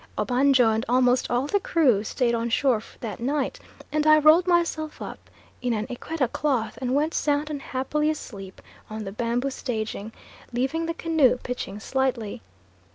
Obanjo and almost all the crew stayed on shore that night, and I rolled myself up in an Equetta cloth and went sound and happily asleep on the bamboo staging, leaving the canoe pitching slightly.